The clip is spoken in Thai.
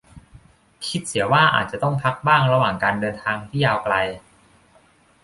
คิดเสียว่าอาจจะต้องพักบ้างระหว่างการเดินทางที่ยาวไกล